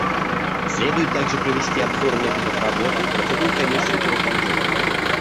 Следует также провести обзор методов работы и процедур Комиссии по разоружению.